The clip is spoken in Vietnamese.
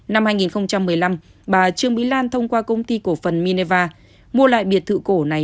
năm hai nghìn một mươi năm bà trương mỹ lan thông qua công ty cổ phần meva mua lại biệt thự cổ này